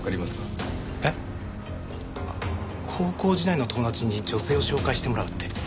高校時代の友達に女性を紹介してもらうって。